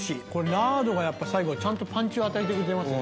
ラードがやっぱ最後はちゃんとパンチを与えてくれてますね